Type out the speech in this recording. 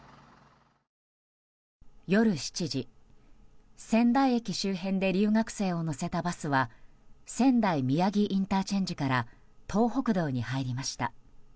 夜７時、仙台駅周辺で留学生を乗せたバスは仙台宮城ＩＣから東北道に入りました。